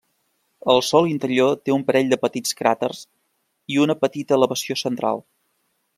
El sòl interior té un parell de petits cràters i una petita elevació central.